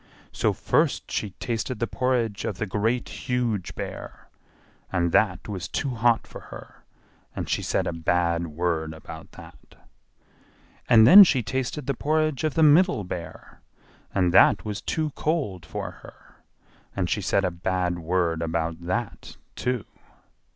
So first she tasted the porridge of the Great Huge Bear, and that was too hot for her; and she said a bad word about that. And then she tasted the porridge of the Middle Bear, and that was too cold for her; and she said a bad word about that, too.